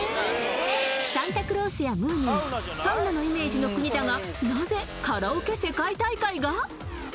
サンタクロースやムーミン、サウナのイメージの国だがなぜカラオケ世界大会が？